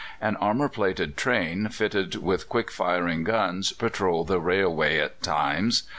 An armour plated train, fitted with quick firing guns, patrolled the railway at times.